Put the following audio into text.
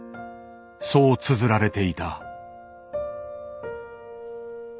そうつづられていた。